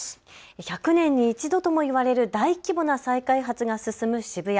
１００年に一度とも言われる大規模な再開発が進む渋谷。